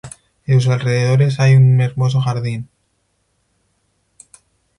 En sus alrededores hay un hermoso jardín".